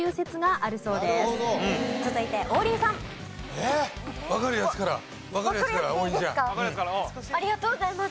ありがとうございます。